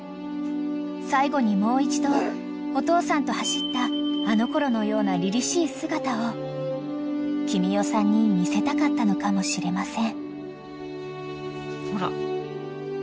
［最後にもう一度お父さんと走ったあのころのようなりりしい姿を君代さんに見せたかったのかもしれません］